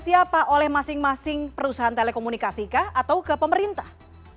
siapa oleh masing masing perusahaan telekomunikasi kah atau ke pemerintah